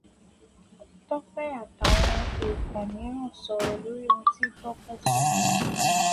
Tọ́pẹ́ àtàwọn èèkàn míràn sọ̀rọ̀ lórí ohun tí Tọ́pẹ́ sọ.